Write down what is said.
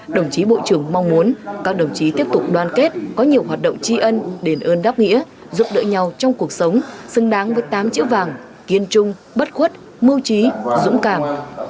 đồng chí bộ trưởng mong muốn các đồng chí tiếp tục đoàn kết có nhiều hoạt động tri ân đền ơn đáp nghĩa giúp đỡ nhau trong cuộc sống xứng đáng với tám chữ vàng kiên trung bất khuất mưu trí dũng cảm